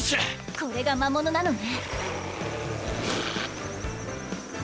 これが魔物なのね